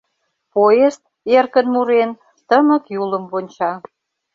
Поезд, эркын мурен, тымык Юлым вонча.